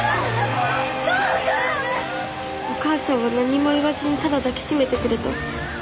「お母さんは何も言わずにただ抱きしめてくれた」